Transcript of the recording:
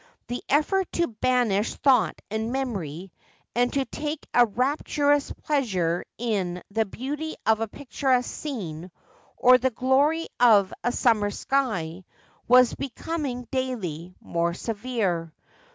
The effort to banish thought and memory, and to take a rapturous pleasure in the beauty of a picturesque scene, or the glory of a summer sky, was becoming daily more severe.